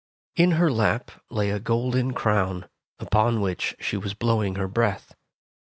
In her lap lay a golden crown, upon which she was blowing her breath.